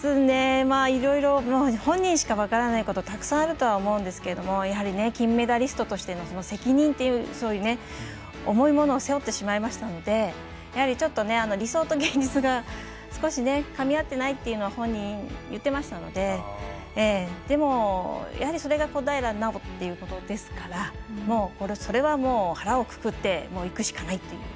本人しか分からないことたくさんあると思うんですけどやはり、金メダリストとしての責任という重いものを背負ってしまいましたのでやはり、ちょっと理想と現実が少しかみ合っていないというのは本人、言ってましたのででも、やはりそれが小平奈緒っていうことですからそれは腹をくくっていくしかない。